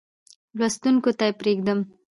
لوستونکو ته پرېږدم.